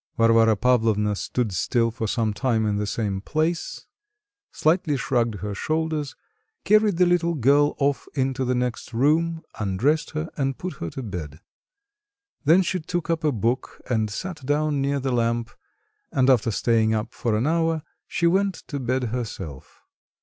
Varvara Pavlovna stood still for some time in the same place, slightly shrugged her shoulders, carried the little girl off into the next room, undressed her and put her to bed. Then she took up a book and sat down near the lamp, and after staying up for an hour she went to bed herself.